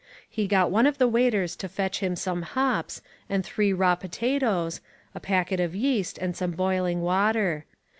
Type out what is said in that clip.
He got one of the waiters to fetch him some hops and three raw potatoes, a packet of yeast and some boiling water.